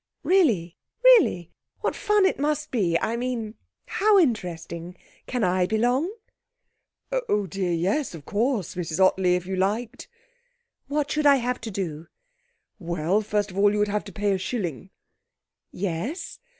'Really? Really? What fun it must be; I mean how interesting. Can I belong?' 'Oh, dear yes, of course, Mrs Ottley. If you liked.' 'What should I have to do?' 'Well, first of all you would have to pay a shilling.' 'Yes?'